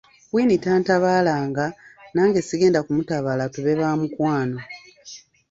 Queen tantabaalanga, nange sigenda kumutabaala, tube ba mukwano.